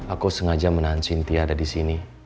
aku sengaja menahan sintia ada di sini